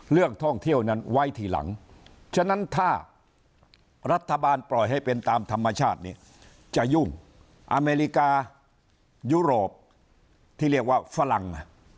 เรื่องท่องเที่ยวนั้นไว้ทีหลังฉะนั้นถ้ารัฐบาลปล่อยให้เป็นตามธรรมชาติเนี่ยจะยุ่งอเมริกายุโรปที่เรียกว่าฝรั่ง